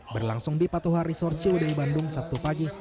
berlangsung di patoha resort ciwdai bandung sabtu pagi